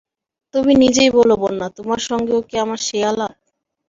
তুমি নিজেই বলো বন্যা, তোমার সঙ্গেও কি আমার সেই আলাপ।